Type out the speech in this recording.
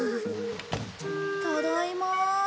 ただいま。